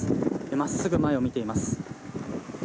まっすぐ前を見ています。